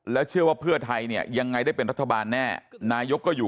แล้วเชื่อว่าเพื่อไทยเนี่ยยังไงได้เป็นรัฐบาลแน่นายกก็อยู่